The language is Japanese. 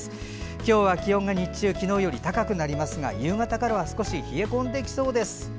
今日は気温が日中、昨日より高くなりますが夕方からは少し冷え込んできそうです。